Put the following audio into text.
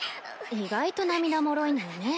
意外と涙もろいのよね。